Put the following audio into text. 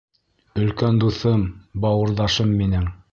Өлкән дуҫым, бауырҙашым минең!